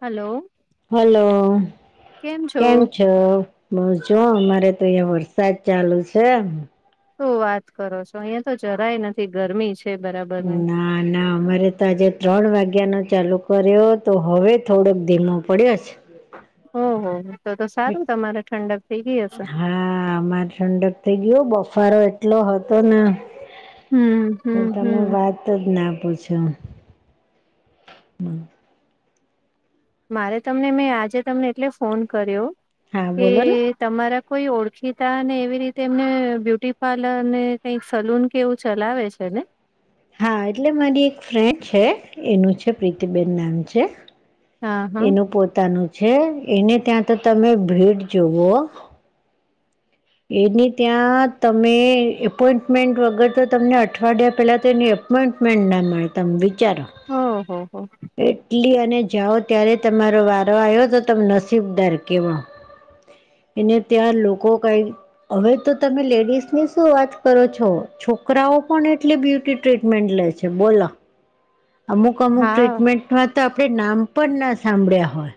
Hello hello, કેમ છો? બો જો અમારે તો અહિયાં વરસાદ ચાલુ છે. શું વાત કરો છો અહીયા તો જરાય નથી ગરમી છે બરાબરની. ના ના અમારે તો આજે ત્રણ વાગ્યાનો ચાલુ કર્યો તો હવે થોડોક ધીમો પડ્યો છે. [inaudible] ઓહો તો તો સારું તમારે ઠંડઅપ થઈ ગઈ હશે. હા આમારે ઠંડક થઈ ગયો બફારો એટલો હતો ને, હમ હમ હમ તમે વાત વાત જ ના પૂછો. મારે તમને મેં આજે તમને એટલે ફોન કર્યો, હા કે બોલો ને તમારા કોઈ ઓળખીતા ને એવી રીતે એમને બ્યુટી પાર્લર ને કઈક સલૂન કેવું ચલાવે છે ને? હા એટલે મારી એક ફ્રેન્ડ છે એનું છે પ્રીતિબેન નામ છે. હા હા એનું પોતાનું છે એને ત્યાં તો તમે ભીડ જોવો. એની ત્યાં તમે એપોઈન્ટમેન્ટ વગર તો તમને અઠવાડિયા પેલા તો એની અપોઈન્ટમેન્ટ ના મળે તમે વિચારો. ઓહોહો. એટલી અને જાઓ ત્યારે તમારો વારો આવ્યો તો તમે નસીબદાર કેવાવ. એને ત્યાં લોકો કઈ હવે તો તમે લેડીસની શું વાત કરો છો છોકરાઓ પણ એટલી બ્યુટી ટ્રીટમેન્ટ લે છે. બોલો. અમુક અમુક હા ટ્રીટમેન્ટમાં તો આપડણે નામ પણ ના સાંભળ્યા હોય.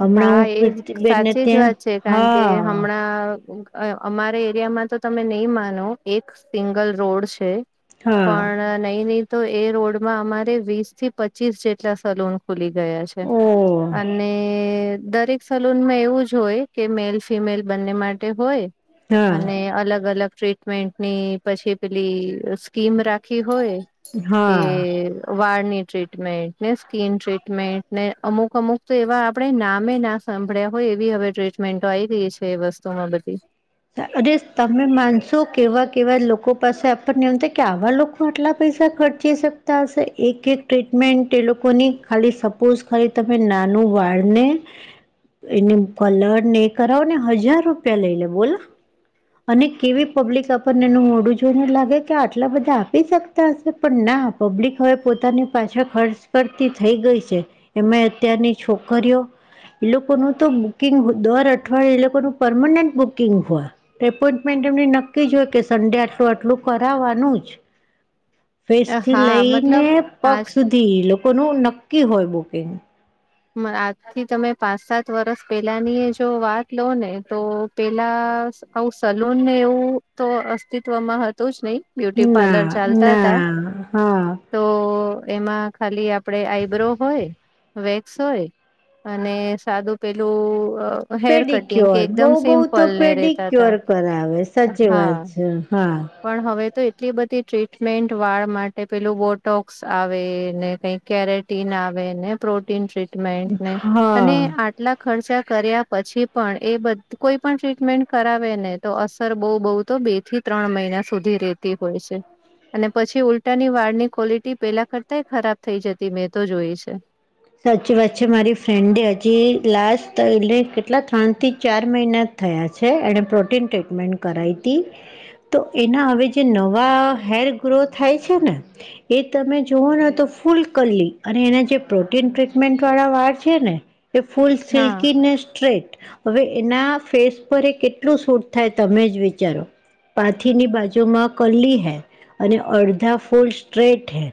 હમણાં હા હું એ પ્રીતિબેનને સાચી જ ત્યાં વાત છે કારણ કે હા હમણાં અમારા એરિયામાં તો તમે ન‌ઈ માનો એક સિંગલ રોડ છે. હા પણ ન‌ઈ ન‌ઈ તો એ રોડમાં અમારે વીસ થી પચીસ જેટલા સલૂન ખુલી ગયા છે, ઓ અને દરેક સલૂનમાં એવું જ હોય કે મેલ ફિમેલ બંને માટે હોય. હા અને અલગ અલગ ટ્રીટ મેન્ટની પછી પેલી સ્કીમ રાખી હોય, કે હા. વાળની ટ્રીટમેન્ટ ને સ્કીિન ટ્રીટમેન્ટ ને અમુક અમુક તો એવા આપણે નામે ના સાંભળ્યા હોય એવી હવે ટ્રીટમેન્ટો આવી ગઈ છે એ વસ્તુમાં બધી. અરે તમે માનશો કેવા કેવા લોકો પાસે આપણને એમ થાય કે આવા લોકો આટલા પૈસા ખર્ચી શકતા હસે એક એક ટ્રીટમેન્ટ એ લોકોની ખાલી સ [unintelligible] ખાલી તમે નાનું વાળ ને એને કલર ને એવું કરાવો ને હજાર રૂપિયા લઈ લે બોલા અને કેવી પબ્લિક આપણને એનું મોડું જોને લાગે કે આટલા બધા આપી શકતા હશે પણ ના આપ પબ્લિક હવે પોતાની પાછા ખર્ચ કરતી થઈ ગઈ છે એમા અત્યારની છોકરીઓ એ લોકોનું તો બુકિંગ દર અઠવાડયે એ લોકોનું પરમનન્ટ બુકિંગ એપોઈન્ટમેન્ટ એમ નક્કી જ હોય કે સન્ડે આટલું આટલું કરવાનું જ [inaudible] ફેસ થી હા લઈને મતલબ પગ આજ સુધી લોકોનું નક્કી હોય બુકિંગ આજથી તમે પાંચ સાત વરસ પેલાની જો વાત લો ને તો પેલા આવું સલૂનને એવું તો અસ્તિત્વમાં હતું જ નહી બ્યુટી ના પાર્લર ચાલતા હતા ના હા તો એમાં ખાલી આપડે આઈબ્રો હોય વેક્સ સોય અને સાદું પેલું હેર કટિંગ કે પેડિક્યોર બહુ એકદમ બહુ તો સિમ્પલ ને રેતા હતા પેડિક્યોર કરાવે સાચી હા વાત છે. હા પણ હવે તો એટલી બધી ટ્રીટમેન્ટ વાળ માટે પેલું બોટોક્સ આવે ને કઈ કકેરેટન ટીન આવેને પ્રોટીન ટ્રીટમેન્ટને હા અને આટલા ખર્ચા કર્યા પછી પણ એ બ કોઈ પણ ટ્રીટમેન્ટ કરાવે ને તો અસર બહુ બહ તો બે થી ત્રણ મહિના સુધી રહેતી હોય છે. અને પછી ઉલટાની વાળ ની ક્વોલિટી પેલા કરતાય ખરાબ થઈ જતી મેં તો જોઈ છે. સાચી વાત છે મારી ફ્રેન્ડે હજી લાસ્ટ એલે કેટલા ત્રણ થી ચાર મહિના થયા છે એણે પ્રોટીન ટ્રીટમેન્ટ કરાવતી તો એના હવે જે નવા હેર ગ્રો થાય છે ને એ તમે જોવો ને તો ફૂલ કલ્લી અને એના જે પ્રો કે ટ્રીટમેન્ટ વાળા વાર છે ને એ ફૂલ હા સિલ્કી ને સ્ટ્રેટ હવે એના ફેસ પર એ કેટલું સૂટ થાય તમે જ વિચારો પાથીની બાજુમાં કરલી હેર અને અડધા ફૂલ સ્ટ્રેટ હેર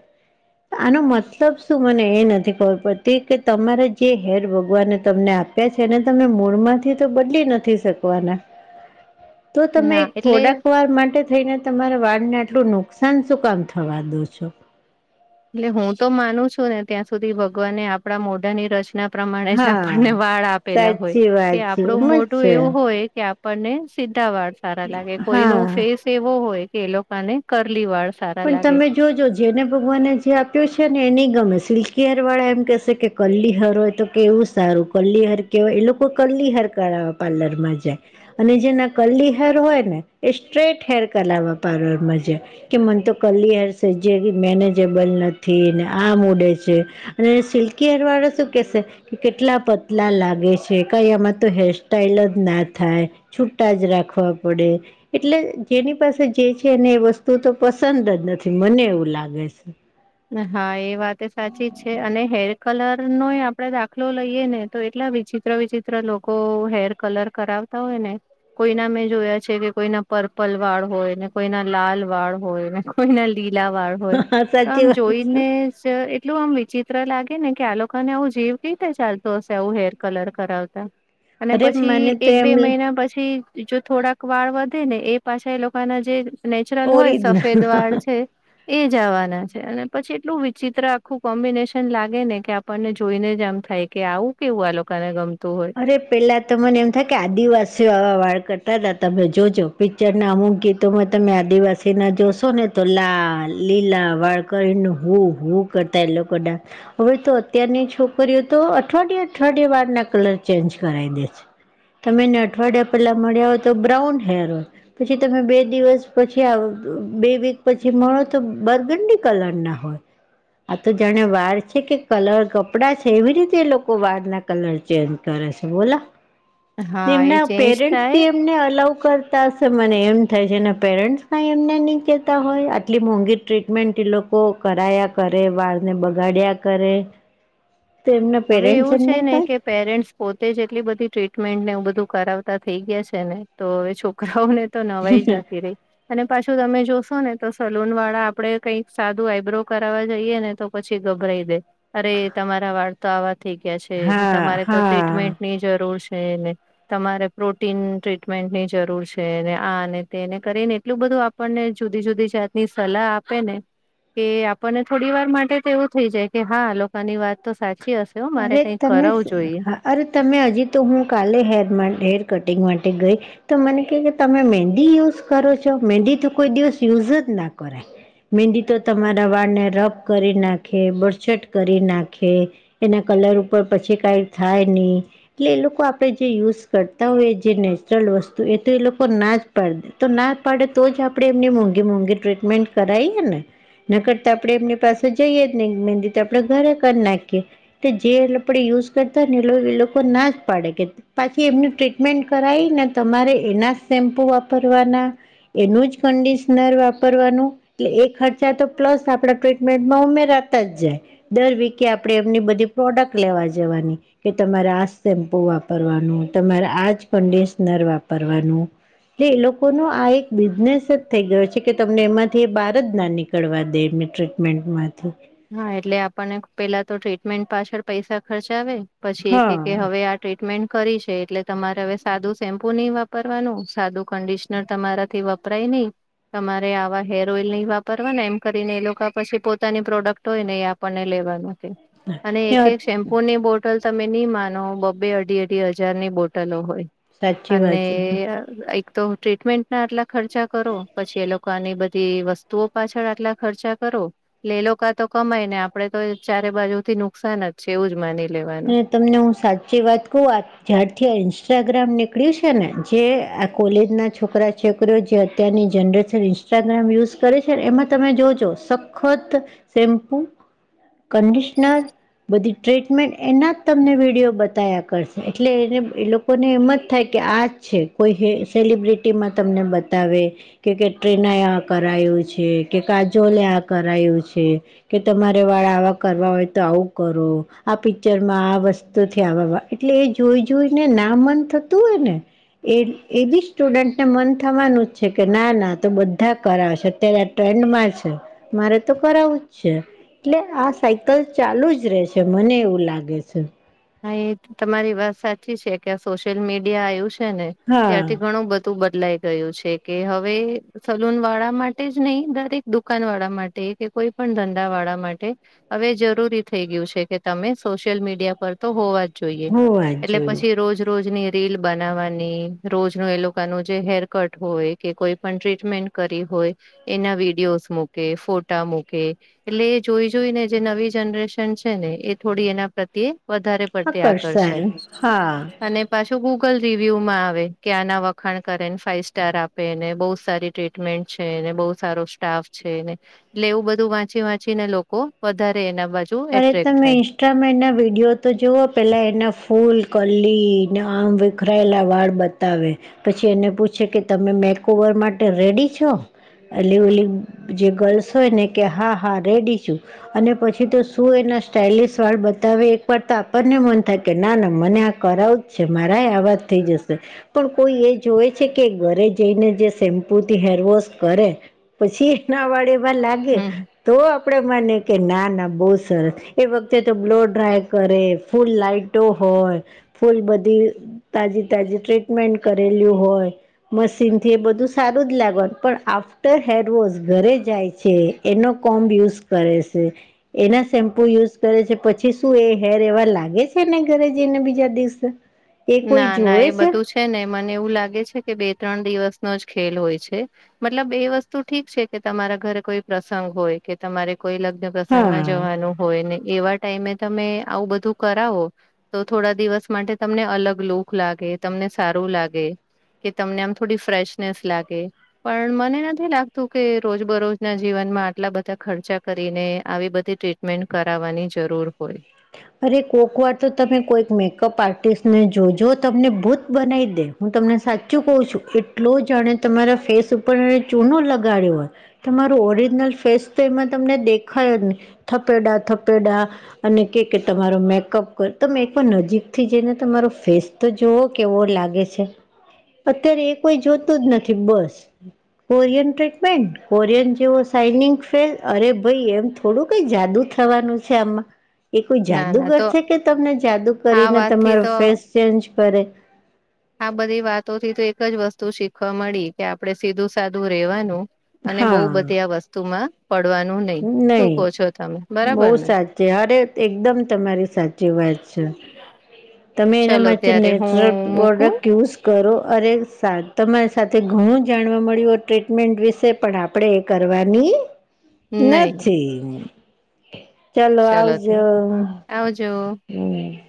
આનો મતલબ શું મને એ નથી પડતી કે તમારે જે હેર ભગવાને તમને આપ્યા છે એને તમે મૂળમાંથી તો બદલી નથી શક શકવાના [inaudible] તો તમે ના એક એટલે થોડાક વાર માટે થઈને તમારા વાળને આટલું નુકસાન શું કામ થવા દો છો એટલે હું તો માનું છું ને ત્યાં સુધી ભગવાનને આપડા મોઢાની રચના પ્રમાણે જ હા આપણને વાળ આપેલા હોય સાચી કે વાત છે આપણું એમ જ મોઢું છે એવું હોય કે આપણને સીધા વાળ સારા લાગે કોઈ હા નું ફેસ એવો હોય કે એ લોકોને કરલી વાળ સારા પણ લાગે. તમે જોજો જેને ભગવાને જે આપ્યો છે ને એ ન ગમે સિલ્કી હેયર વાળા એમ કહેશે કે કરલી હેર હોય તો કેવું સારું કરલી હેર કેવા એ લોકો કરલી હેર કરવા પાર્લર માં જાય અને જેના કલી હેર હોય ને એ સ્ટ્રેટ હેર કરાવવા પાર્લરમા જઈ કે મને તો કરલી હેર સહેજે બી મેનેજેબલ નથી ને આમ ઉડે છે. અને સિલ્કી હેર વાળુ શું કેશે એટલા પતલા લાગે છે કઈ એમાં તો હેરસ્ટાઈલ જ ના થાય છૂટા જ રાખવા પડે એટલે જેની પાસે જે છે એને એ વસ્તુ તું તો પસંદ જ નથી મને એવું લાગે છે. હા એ વાત સાચી જ છે અને હેર કલર નો આપડે દાખલો લઈએ ને તો એટલા વિચિત્ર ચિત્ર વિચિત્ર લોકો હેર કલર કરાવતા હોય ને કોઈના મેં જોયા છે કે કોઈના પર્પલ વાળ હોય ને કોઈના લાલ વાળ હોય ને કોઈને લીલા વાર હોય હા આમ સાચી વાત છે જોઈને એટલું આમ વિચિત્ર લાગે ને કે આ લોકોને આવું જીવ કવી રીતે ચાલતું હશે આવું હેર કલર કરાવતા અને અરે મને પછી તો એક એમ બે મહિના પછી જો થોડાક વાળ વધે ને એ પાછા એ લોકોના જે નેચરલ હોય ઓરિજનલ સફેદ વાળ છે. એજ આવના છે. અને પછી એટલું વિચિત્ર આખું કોમ્બિનેશન લાગે ને કે આપણને જોઈને જ આમ થાય કે આવું કેવું આ લોકો ને ગમતું હોય અરે પેલા તો મને એમ થાય કે આદિવાસીઓ આવા વાળ કરતા હતા તમે જોજો જેના અમુક ગીતોમાં તમે આદિવાસી ના જોશો ને તો લાલ લીલા વાળ કરીને હું હું કરતા એ લોકોડા હવે તો અત્યારની છોકરીઓ તો અઠવાડિયાે અઠવાડિયાે બાર ના કલર ચેન્જ કરી દે છે. તમેને અઠવાડિયા પેલા મળ્યા હોય તો બ્રાઉન હેર હોય પછી તમે બે દિવસ પછી બે વીક પછી મળો તો બર્ગંડી કલર ના હોય આ તો જાણે વાર છે કે કલર કપડા છે એવી રીતે એ લોકો વાર ના કલર ચ ચેન્જ કરે છે બોલા હા એ એમના ચેન્જ પેરેન્ટ થાય એમને અલાવ કરતા હશે મને એમ થાય છે એના પેરેન્ટ્સ ક એમને નહી કેતા હોય આટલી મોંઘી ટ્રીટમેન્ટ એ લોકો કરાયા કરે વાળને બગાડ્યા કરે તો એમના હવે પેરેન્ટ્સ એવું છે એમને ને કઈ કે પેરેન્ટસ પોતે જ એટલી બધી ટ્રીટમેન્ટ ને એવું બધું કરાવતા થઈ ગયા છે ને તો હવે છોકરા છોકરાઓને તો નવાઈ જ નથી રહી અને પાછું તમે જોશો ને તો સલૂન વાળા આપડે કઈક સાદું આઈબ્રો કરાવવા જઈએ ને તો પછી ગભરાઈ દે અરે તમારા વાળ તો આવા થઈ ગયા છે હા તમારે તો હા ટ્રીટમેન્ટની જરૂર છે એને તમારે પ્રોટીન ટ્રીટમેન્ટની જરૂર છે આ તેને કરીને એટલું બધું આપણને જુદી જુદી જાતની સલાહ આપે ને કે આપણને થોડી વાર માટે તો એવું થઈ જાય કે હા લોકોકાની વાત તો સાચી હશે હો અરે મારે કંઈક તમે કરાવું જોઈએ. હા અરે તમે હજી તો હું કાલે હેરમાં હેર કટિંગ માટે ગઈ તો મને ક કે તમે મંદી યુઝ કરો છો મંદી તો કોઈ દિવસ યુઝ જ ના કરે મહેંદી તો તમારા વાળને રફ કરી નાખે બળછટ કરી નાખે એના કલર ઉપર પછી કાઈ થાય નહી એટલે એ લોકો આપે જે યુઝ કરતા હોય જે નેચરલ વસ્તુ એ તો એ લોકો ના જ પડે તો ના પડે તો જ આપડે એમની મોંઘી મોંઘી ટ્રીટમેન્ટ કરાઈએ ને નકડતા આપડે એમની પાસે જઈએ જ નહી મહેંદી તો આપડે ઘરે કરી નાખીએ જે આપડે યુઝ કરતા હો ને એ એ લોકો ના જ પાડે કે પાછી એમનું ટ્રીટમેન્ટ કરાવી ને તમારે એના સેમ્પુ વાપરવાના એનું જ કંડિશનર વાપરવાનું એટલે એ ખર્ચા તો પ્લસ આપણા ટ્રીટમેન્ટમાં ઉમેરાતા જ જાય દર વિકએ આપણે એમની બધી પ્રોડક્ટ લેવા જવાની કે તમારે આ સેમ્પુ વાપરવાનું તમારે આ જ કન્ડિશનર વાપરવાનું એટલે એ લોકો ન આ એક બિઝનેસ જ થઈ ગયો છે કે તમને એમાંથી એ બહાર જ ના નીકળ કરવા દે એમને ટ્રીટમેન્ટમાંથી હા એટલે આપણને પેલા તો ટ્રીટમેન્ટ પાછળ પૈસા ખર્ચ આવેે પછી એક એક કે હા હવે આ ટ્રીટમેન્ટ કરી છે એટલે તમારે હવે સાદું સેમ્પુ નહી વાપરવાનું સાદું કંડિશનર તમારાથી વપરાય નહી. તમારે આવા હેર ઓઈલ નહી વાપરવા ને એમ કરીને એ લોકા પછી પોતાની પ્રોડક્ટ તો એને આપણને લેવા નથી અને એ એક એક શેમ્પ ફોની બોટલ તમે નહી માનો બબે અઢી અઢી હજારની બોટલો હોય. સાચી અને વાત છે ને એક તો ટ્રીટમેન્ટ ના આટલા ખર્ચા કરો પછી એ લોકાને આની બધી વસ્તુ તો પાછળ આટલા ખર્ચા કરો લે લો ટૂકા તો કમાય ને આપડે તો ચારે બાજુ થી નુકસાન જ છે એવું જ માની લેવાનું. અને તમને હું સાચી વાત કહું આ જ્યારથી આ ઇન્સ્ટાગ્રામ નીકળ્યું છે ને જે આ કોલેજ ના છોકરા છોકરીઓ જે અત્યારની જનરેશન ઇન્સ્ટાગ્રામ યુઝ કરે છે એમાં તમે જોજોત ખુત શેમ્પુ કન્ડિશનર બધી ટ્રીટમેન્ટ એના જ તમને વિડીયો બતાવ્યા કરશે એટલે એને એ લોકોને એમ જ થાય કે આ જ છે. કોઈ સેલિબ્રિટીમાં તમને બતાવે કે કે ટ્ટીના આ કરાયું છે કે કાજોલે આ કરાયું છે. કે તમારે વાળા આવા કરવા હોય તો આવું કરો આ પિચરમાં આ વસ્તુથી આ એટલે એ જોઈ જોઈને ના મન થતું હોય ને એ એ બી સ્ટુડન્ટને મન થવાનું જ છે કે ના ના તો બધા કરાવશે અત્યારે ટ્રેન્ડ માં છે મારે તો કરાવું જ છે. એટલે આ સાયકલ ચાલુ જ રહે છે મને એવું લાગે છે. હાએસ્ક તમારી વાત સાચી છે કે આ સોશિયલ મીડિયા આવ્યું છે ને હા ત્યારથી ઘણું બધું. તુ બદલાઈ ગયો છે કે હવે સલૂન વાળા માટે જ નહી દરેક દુકાન વાળા માટે કે કોઈ પણ ધંધા વાળા માટે હવે જરૂરી થઈ ગયું છે કે તમે સોશિયલ મીડિયા પર તો હોવા જ જોઈએ હોવા જ એટલે જોઈએ પછી રોજ રોજની તેલ બનાવાની રોજ નો એ લોકોનું જે હેર કટ હોય કે કોઈ પણ ટ્રીટમેન્ટ કરી હોય. એના વિડયોસ મૂકે ફોટા મુૂકે એટલે એ જોઈ જોઈ ને જે નવી જનરેશન છે ને એ થોડી એના પ્રત્યે વધારે પર તે આકર્ષણ આકર્ષાય હા અને પાછો ગુગલ રિવ્યુ માં આવે કે આના વખાણ કરે ને ફાઈવ સ્ટાર આપેને બહ સારી ટ્રીટમેન્ટ છે એને બહુ સારો સ્ટાફ છે એને એટલે એવું બધું વાંચી વાંચી ને લોકો વધારે એના બાજુ. અરે એટ્રેક્ટ તમે થાય ઇન્સ્ટામાં એના વિડીયો તો જુઓ પેલા એના ફૂલ કલી ને આમ વિખરાયેલા વાળ બતાવે પછી એને પૂછે કે તમે મેક ઓવર માટે રેડી છો. એલી ઓલી જે ગર્લ્સ હોય ને કે હા હા રેડી છું અને પછી તો શું એના સ્ટાઇલિશ વાળ બતાવે એકવાર તો આપણને મન થાય કે ના ના મને આ કરાવું. છે મારાય આવાજ થઈ જશે. પણ કોઈ એ જોવે છે કે ઘરે જઈને જે શેમ્પુથી હેરવોશ કરે પછીના વાડેમાં લાગે હમ. તો આપડે મને કે ના ના બહુ સરસ એ વખતે તો બ્લો ડ્રાય કરે ફૂલ લાઈટો હોય. ફૂલ બધી તાજી તાજી ટ્રીટમેન્ટ કરેલું હોય. મશીન થી એ બધું સારું જ લાગવાનું પણ આફ્ટર હેરવોશ ઘરે જાય છે. એનો કોમ્બ યુઝ કરે છે, એના શેમ્પુ યુઝ કરે છે પછી શું એ હેર એવા લાગે છે ને ઘરે જઈને બીજા દિવસે. એ કોઈ ના ના જોવે એ છે? બધું છે નને મને એવું લાગે છે કે બે ત્રણ દિવસનો જ ખેલ હોય છે. મતલબ એ વસ્તુ ઠીક છે કે તમારા ઘરે કોઈ પ્રસંગ હોય કે તમારે કોઈ લગ પ્રસંગમાં હા જવાનું. હોય ને એવા ટાઈમે તમે આવું બધું કરાવો, તો થોડા દિવસ માટે તમને અલગ લુક લાગે તમને સારું લાગે, કે તમને આમ થોડી ફ્રેશનેસ લાગે. પણ મને નથી લાગતું કે રોજ બરોજના જીવનમાં આટલા બધા ખર્ચા કરીને આવી બધી ટ્રીટ મેન્ટ કરાવવાની જરૂર હોય. અરે કોઈક વાર તો તમે કોઈક મેકઅપ આર્ટિસ્ટને જોજો તમને ભૂત બનાવી દે. હું તમને સાચું કહું છું એટલો જાણે તમારા ફેસ ઉપર એ ચૂનો લગાડ્યો હોય. તમારું ઓરિજનલ ફેસ તો એમાં તમને દેખાય નને, થપેડા થપેડા. અને કે કે તમારો મેકઅપ કર તમે એકવાર નજીકથી જઈને તમારો ફેસ તો જોવો કેવો લાગે. અત્યારે એ કોઈ જોતું જ નથી બસ. કોરિયન ટ્રીટમેન્ટ કોરિયન જેવો સાન ફેલ અરે ભાઈ એમ થોડું કંઈ જાદુ થવાનું છે આમાં. એ કોઈ ના ના જાદુગર તો છે કે તમને જાદુ આ કરીને વાતથી તમારો તો ફેસ ચેન્જ કરે. આ બધી વાતો થી તો એક જ વસ્તુ શીખવા મળી કે આપડણે સીધું સાધું રેવાનું. અને બહ હા બધી આ વસ્તુમાં પડવાનું નહી, શું કહ છો તમે બહુ બરાબર ને? સાચી અરે એકદમ તમારી સાચી વાત છે. તમે એના ચલો માટે ત્યારે હું નેચરલ મૂકું પ્રોડક્ટ યુઝ કરો અરે સા તમારી સાથે ઘણું જાણવા મળ્યું હો ટ્રીટમેન્ટ વિશે પણ આપો આપડે કરવાની નહી નથી. ચાલો ચલો ત આવજો આવજ. હમ.